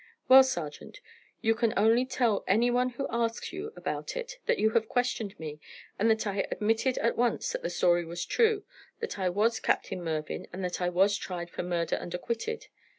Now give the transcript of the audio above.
Well, sergeant, you can only tell any one who asks you about it that you have questioned me, and that I admitted at once that the story was true that I was Captain Mervyn, and that I was tried for murder and acquitted.